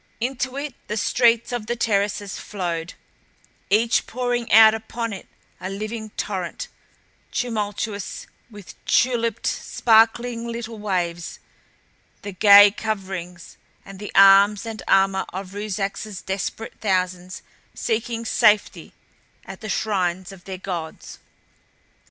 Into it the streets of the terraces flowed, each pouring out upon it a living torrent, tumultuous with tuliped, sparkling little waves, the gay coverings and the arms and armor of Ruszark's desperate thousands seeking safety at the shrines of their gods.